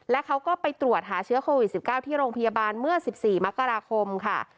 และเขาก็ไปตรวจหาเชื้อโควิด๑๙ที่โรงพยาบาลเมื่อ๑๔มกราคมค่ะ